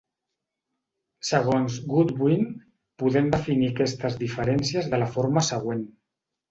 Segons Goodwin, podem definir aquestes diferències de la forma següent.